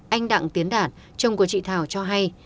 anh đặng tiến đạt chồng của chị thảo cho hay